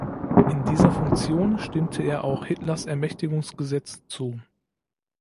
In dieser Funktion stimmte er auch Hitlers Ermächtigungsgesetz zu.